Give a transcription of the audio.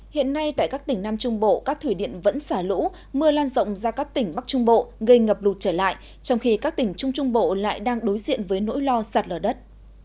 hiện nay tại các tỉnh nam trung bộ các thủy điện vẫn xả lũ mưa lan rộng ra các tỉnh bắc trung bộ gây ngập lụt trở lại trong khi các tỉnh trung trung bộ lại đang đối diện với nỗi lo sạt lở đất